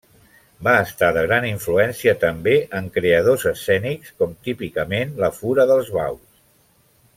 Va estar de gran influència també en creadors escènics com típicament La Fura dels Baus.